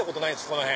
この辺。